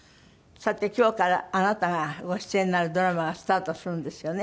さて今日からあなたがご出演になるドラマがスタートするんですよね？